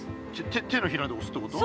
手のひらでおすってこと？